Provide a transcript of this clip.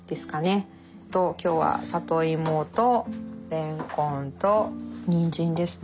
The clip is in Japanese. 今日は里芋とれんこんとにんじんですね。